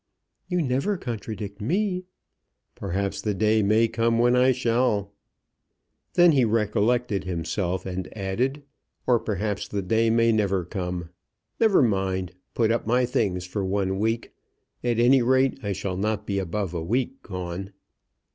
"You never contradict me." "Perhaps the day may come when I shall." Then he recollected himself, and added, "Or perhaps the day may never come. Never mind. Put up my things for one week. At any rate I shall not be above a week gone."